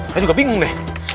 saya juga bingung deh